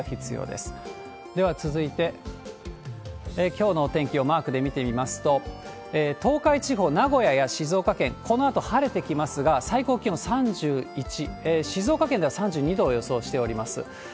では続いて、きょうのお天気をマークで見てみますと、東海地方、名古屋や静岡県、このあと晴れてきますが、最高気温３１、静岡県では３２度を予想しております。